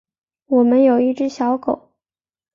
我们有一只小狗